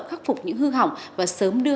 khắc phục những hư hỏng và sớm đưa